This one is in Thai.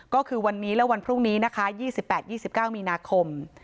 ก็คือวันนี้และวันพรุ่งนี้นะคะยี่สิบแปดยี่สิบเก้ามีนาคม